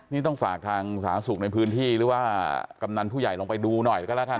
นี่ต้องฝากทางสาธารณสุขในพื้นที่หรือว่ากำนันผู้ใหญ่ลงไปดูหน่อยก็แล้วกัน